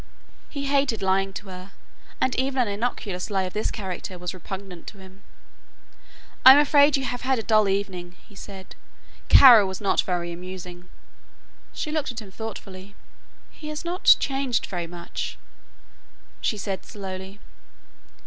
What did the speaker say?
He hated lying to her, and even an innocuous lie of this character was repugnant to him. "I'm afraid you have had a dull evening," he said, "Kara was not very amusing." She looked at him thoughtfully. "He has not changed very much," she said slowly.